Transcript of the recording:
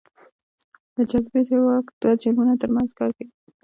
د جاذبې ځواک دوو جرمونو ترمنځ کار کوي.